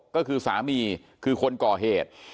ก็คือสามีคือคนก่อเหตุ